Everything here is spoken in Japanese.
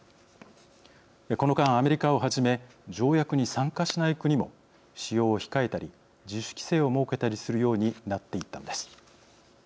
この間、アメリカをはじめ条約に参加しない国も使用を控えたり自主規制を設けたりするようになっていったのです。